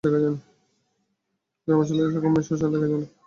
গ্রামাঞ্চলে এ-রকম মেয়ে সচরাচর দেখা যায় না।